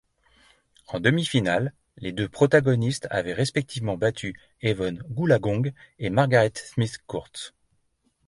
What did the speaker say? En demi-finale, les deux protagonistes avaient respectivement battu Evonne Goolagong et Margaret Smith Court.